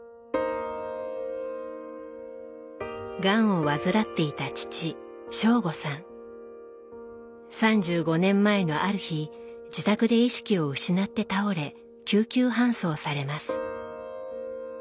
がんを患っていた３５年前のある日自宅で意識を失って倒れ救急搬送されます。